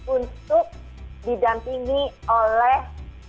untuk didampingi oleh